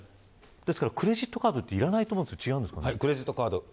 ですから、クレジットカードっていらないと思うんですけどクレジットカードは